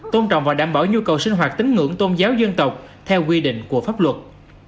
tôn trọng và đảm bảo nhu cầu sinh hoạt tính ngưỡng tôn giáo dân tộc theo quy định của pháp luật